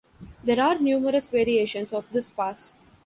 There are numerous variations of this pass.